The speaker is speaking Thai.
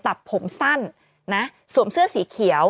ตัดผมสั้นนะสวมเสื้อสีเขียว